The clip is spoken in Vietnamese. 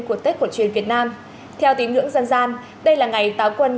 của tết cổ truyền việt nam theo tín ngưỡng dân gian đây là ngày táo quân